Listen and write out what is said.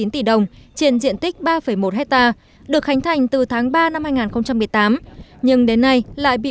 chín tỷ đồng trên diện tích ba một hectare được khánh thành từ tháng ba năm hai nghìn một mươi tám nhưng đến nay lại bị